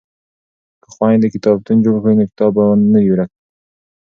که خویندې کتابتون جوړ کړي نو کتاب به نه وي ورک.